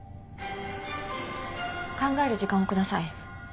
考える時間を下さい。